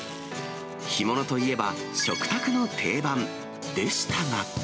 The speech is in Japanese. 干物といえば、食卓の定番でしたが。